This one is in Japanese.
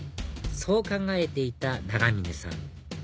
そう考えていた永嶺さん